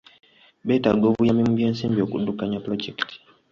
Beetaaga obuyambi mu by'ensimbi okuddukanya pulojekiti.